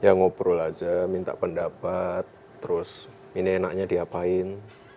ya ngobrol aja minta pendapat terus ini enaknya diapain